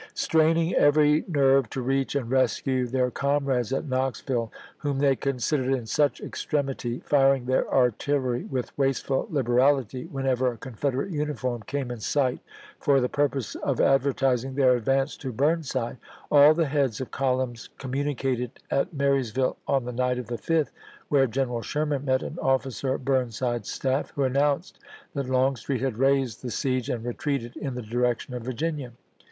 Straining every nerve to reach and rescue their comrades at Knoxville, whom they considered in such extremity, firing their artillery with wasteful liberality whenever a Confederate uniform came in sight, for the purpose of advertising their advance to Burnside — all the heads of columns communi cated at Marysville on the night of the 5th, where Dec, ises. General Sherman met an officer of Burnside's staff, nl^n.' who announced that Longstreet had raised the "Rebellion ^ Record." siege and retreated in the direction of Virginia.